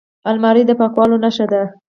الماري د پاکوالي نښه ده